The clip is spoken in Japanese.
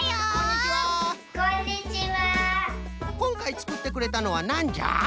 こんかいつくってくれたのはなんじゃ？